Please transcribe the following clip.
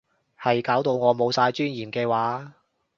係搞到我冇晒尊嚴嘅話